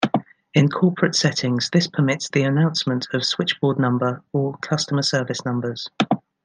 In corporate settings this permits the announcement of switchboard number or customer service numbers.